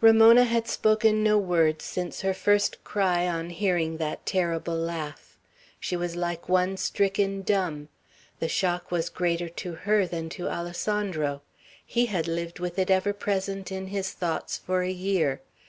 Ramona had spoken no words since her first cry on hearing that terrible laugh. She was like one stricken dumb. The shock was greater to her than to Alessandro. He had lived with it ever present in his thoughts for a year.